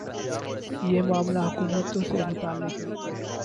یہ معاملہ حکومتوں سے متعلق ہے۔